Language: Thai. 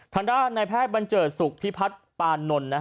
ทางด้านนายแพทย์บัญเจิดสุขที่พัฒน์ปานนล